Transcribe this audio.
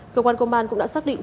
cơ quan công an cũng đã xác định